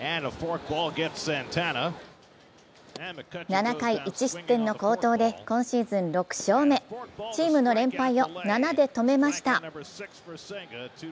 ７回１失点の好投で今シーズン６勝目チームの連敗を７で止めました。